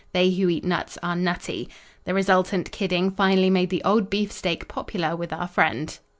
"They who eat nuts are nutty." The resultant kidding finally made the old beefsteak popular with our friend.